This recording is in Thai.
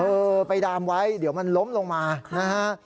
เออไปดามไว้เดี๋ยวมันล้มลงมานะฮะ